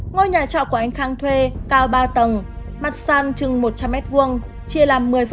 ngôi nhà trọ của anh khang thuê cao ba tầng mặt sàn chừng một trăm linh m hai chia làm một mươi